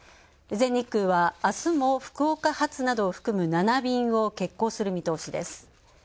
全日空もあすも福岡発など７便を欠航する見通しです。